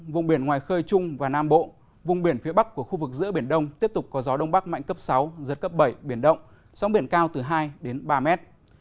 vùng biển ngoài khơi trung và nam bộ vùng biển phía bắc của khu vực giữa biển đông tiếp tục có gió đông bắc mạnh cấp sáu giật cấp bảy biển động sóng biển cao từ hai đến ba mét